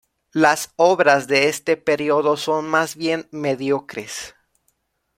Las obras de este periodo son más bien mediocres.